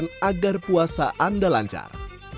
untuk membuat air puasa anda lancar